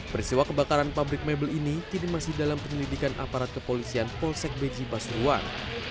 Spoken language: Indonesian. persiwa kebakaran pabrik mebel ini kini masih dalam penelitikan aparat kepolisian polsek bg pasuruan